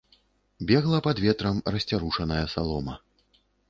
Бегла пад ветрам расцярушаная салома.